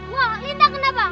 wah lintang kenapa